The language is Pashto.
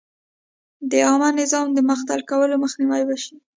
د عامه نظم د مختل کولو مخنیوی وشي.